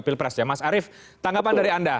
pilpres ya mas arief tanggapan dari anda